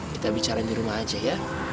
kita bicara di rumah aja ya